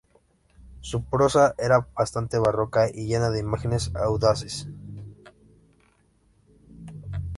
Su prosa era bastante barroca y llena de imágenes audaces.